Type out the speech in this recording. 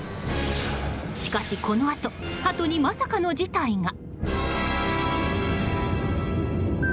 しかし、このあとハトにまさかの事態が。